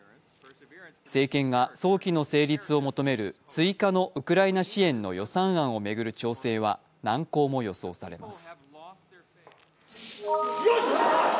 政権が早期の成立を求める追加のウクライナ支援の予算案を巡る調整は難航も予想されます。